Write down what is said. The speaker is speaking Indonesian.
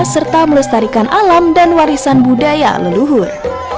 serta melestarikan alam dan warisan budaya leluhur